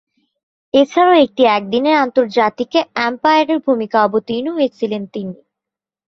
এছাড়াও, একটি একদিনের আন্তর্জাতিকে আম্পায়ারের ভূমিকায় অবতীর্ণ হয়েছিলেন তিনি।